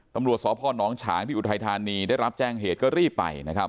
ตำรวจสพนฉางที่อุทัยธานีได้รับแจ้งเหตุก็รีบไปนะครับ